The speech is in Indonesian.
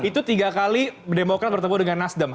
itu tiga kali demokrat bertemu dengan nasdem